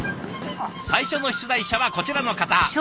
最初の出題者はこちらの方。